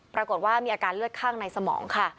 ปรากฏว่ามีอาการเลือดข้างในสมองค่ะ